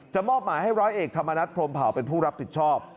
มอบหมายให้ร้อยเอกธรรมนัฐพรมเผาเป็นผู้รับผิดชอบ